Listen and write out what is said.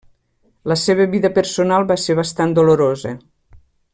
La seva vida personal va ser bastant dolorosa.